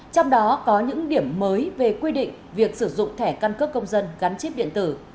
trong đó có những điểm mới về quy định việc sử dụng thẻ căn cước công dân gắn chip điện tử